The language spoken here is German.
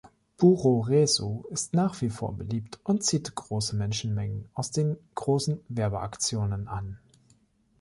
Puroresu ist nach wie vor beliebt und zieht große Menschenmengen aus den großen Werbeaktionen an.